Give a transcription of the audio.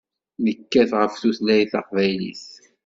Nekkat ɣef tutlayt taqbaylit.